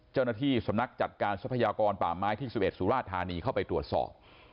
เจ้าหน้าที่สำนักจัดการทรัพยากรป่าไม้ที่๑๑สุราธานีเข้าไปตรวจสอบ